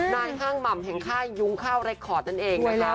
ห้างหม่ำแห่งค่ายยุ้งข้าวเรคคอร์ดนั่นเองนะคะ